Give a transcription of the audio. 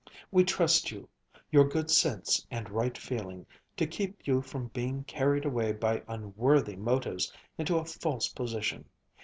We trust you your good sense and right feeling to keep you from being carried away by unworthy motives into a false position.